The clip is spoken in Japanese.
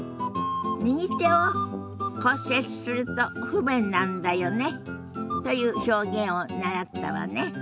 「右手を骨折すると不便なんだよね」という表現を習ったわね。